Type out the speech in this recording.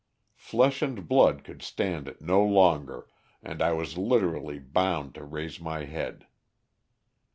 "Flesh and blood could stand it no longer, and I was literally bound to raise my head.